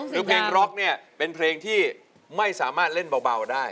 คือเพลงร็อกเนี่ยเป็นเพลงที่ไม่สามารถเล่นเบาได้